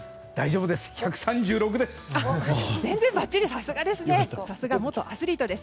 １３６です！